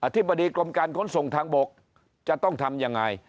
ธิบดีกรมการขนส่งทางบกจะต้องทำยังไง